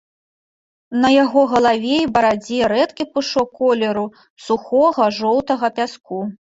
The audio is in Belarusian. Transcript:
На яго галаве і барадзе рэдкі пушок колеру сухога жоўтага пяску.